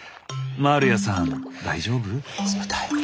マールヤさん大丈夫？